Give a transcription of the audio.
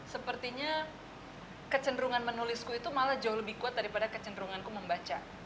sepertinya kecenderungan menulisku itu malah jauh lebih kuat daripada kecenderunganku membaca